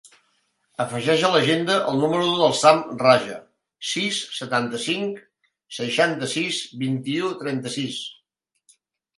Afegeix a l'agenda el número del Sam Raja: sis, setanta-cinc, seixanta-sis, vint-i-u, trenta-sis.